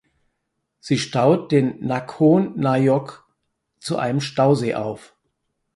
Sie staut den Nakhon Nayok zu einem Stausee auf.